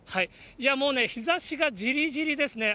もう日ざしがじりじりですね。